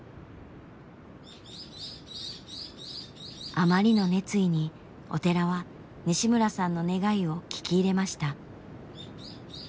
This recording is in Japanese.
あまりの熱意にお寺は西村さんの願いを聞き入れました。